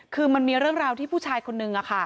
คือมันมีเรื่องราวที่ผู้ชายคนนึง